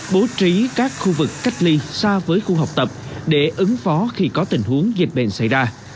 bố trí các khu vực cách ly xa với khu học tập để ứng phó khi có tình huống dịch bệnh xảy ra